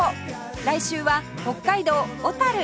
来週は北海道小樽